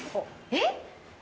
えっ？